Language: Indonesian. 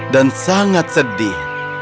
dan sangat sedih